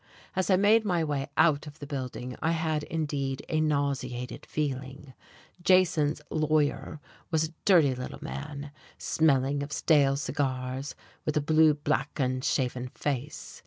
As I made my way out of the building I had, indeed, a nauseated feeling; Jason's "lawyer" was a dirty little man, smelling of stale cigars, with a blue black, unshaven face.